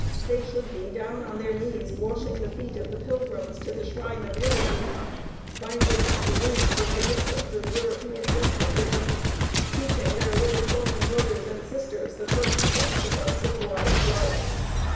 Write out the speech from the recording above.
They should be down on their knees washing the feet of the pilgrims to the shrine of liberty, binding up the wounds of the victims of European despotism, teaching their little foreign brothers and sisters the first steps of civilized life.